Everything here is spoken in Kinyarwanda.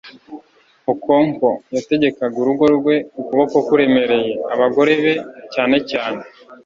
okonkwo yategekaga urugo rwe ukuboko kuremereye. abagore be, cyane cyane